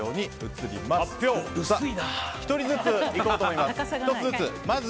１つずついこうと思います。